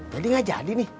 jadi enggak jadi nih